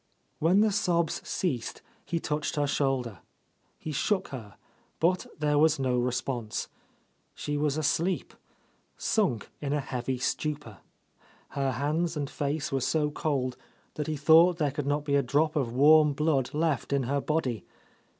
When the sobs ceased he touched her shoulder. He shook her, but there was no response. She was asleep, sunk in a heavy stupor. Her hands and face were so cold that he thought there could —I. '14— A Lost Lady not be a drop of warm blood left in her body.